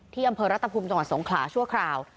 อำเภอรัตภูมิจังหวัดสงขลาชั่วคราว